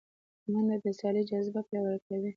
منډه د سیالۍ جذبه پیاوړې کوي